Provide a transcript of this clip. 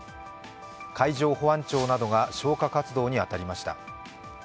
海上保安庁などが消火活動に当たりました。